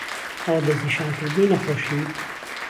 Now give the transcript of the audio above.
ههڵه دهستنیشانکردنی نهخۆشیی